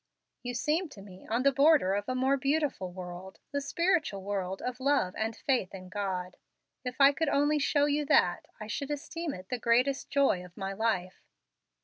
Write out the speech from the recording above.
You seem to me on the border of a more beautiful world, the spiritual world of love and faith in God. If I could only show you that, I should esteem it the greatest joy of my life."